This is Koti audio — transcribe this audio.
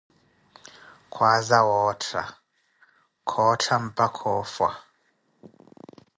Khwaaza wootta, khoota, mpakha ofha.